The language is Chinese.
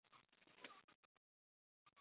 中央轨道在此站以南汇入两条外侧轨道。